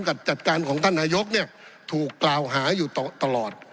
จัดการของท่านนายกเนี่ยถูกกล่าวหาอยู่ตลอด